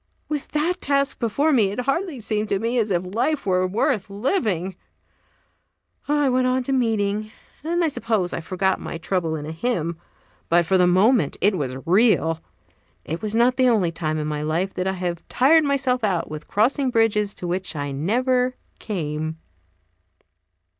With that task before me, it hardly seemed to me as if life were worth living. I went on to meeting, and I suppose I forgot my trouble in a hymn, but for the moment it was real. It was not the only time in my life that I have tired myself out with crossing bridges to which I never came.